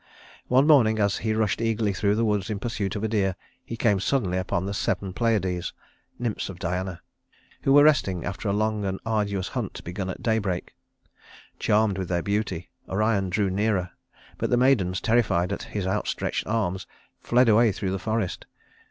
One morning, as he rushed eagerly through the woods in pursuit of a deer, he came suddenly upon the seven Pleiades, nymphs of Diana, who were resting after a long and arduous hunt begun at daybreak. Charmed with their beauty, Orion drew nearer, but the maidens, terrified at his outstretched arms, fled away through the forest.